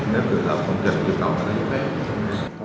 nếu dự án không chừng dự tổng là như thế